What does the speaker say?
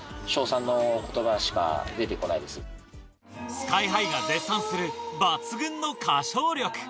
ＳＫＹ−ＨＩが絶賛する抜群の歌唱力。